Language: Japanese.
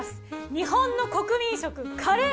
日本の国民食カレー！